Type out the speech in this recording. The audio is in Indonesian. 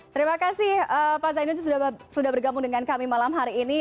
terima kasih pak zainud sudah bergabung dengan kami malam hari ini